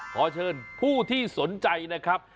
ขอเชิญผู้ที่สนใจนะครับ